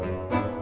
tidak ada apa apa